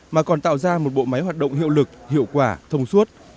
mà còn tạo ra một bộ máy hoạt động hiệu lực hiệu quả thông suốt